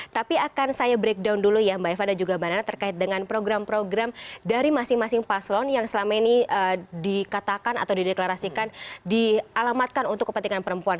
tapi akan saya breakdown dulu ya mbak eva dan juga mbak nana terkait dengan program program dari masing masing paslon yang selama ini dikatakan atau dideklarasikan dialamatkan untuk kepentingan perempuan